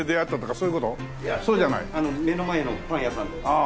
いや目の前のパン屋さんで。